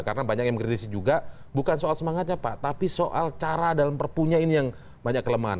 karena banyak yang mengkritisi juga bukan soal semangatnya pak tapi soal cara dalam perpunya ini yang banyak kelemahan